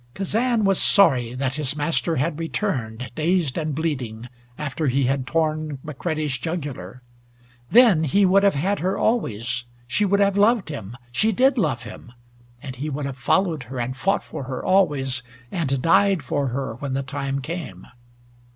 Kazan was sorry that his master had returned, dazed and bleeding, after he had torn McCready's jugular. Then he would have had her always. She would have loved him. She did love him. And he would have followed her, and fought for her always, and died for her when the time came.